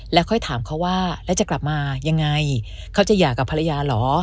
แล้วค่อยถามเขาว่าแล้วจะกลับมายังไงเขาจะหย่ากับภรรยาเหรอ